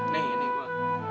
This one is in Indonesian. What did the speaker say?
nih ini gua